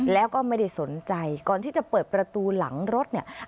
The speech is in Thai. แล้วก็ไม่ได้สนใจก่อนที่จะเปิดประตูหลังรถเนี่ย